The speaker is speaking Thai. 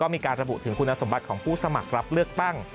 มีการระบุถึงคุณสมบัติของผู้สมัครรับเลือกตั้ง